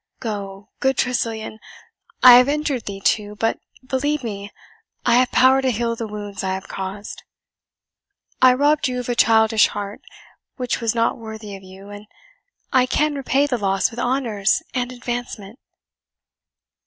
Go, good Tressilian I have injured thee too, but believe me I have power to heal the wounds I have caused. I robbed you of a childish heart, which was not worthy of you, and I can repay the loss with honours and advancement."